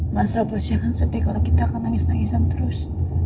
masa pasti akan sedih kalau kita akan nangis nangisan terus